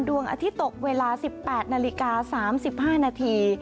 ดวงอาทิตย์ตกเวลาสิบแปดนาฬิกาสามสิบห้านาที